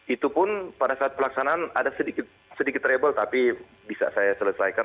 itu pun pada saat pelaksanaan ada sedikit tribel tapi bisa saya selesaikan